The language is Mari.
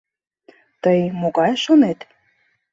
Тый, могае, шонет?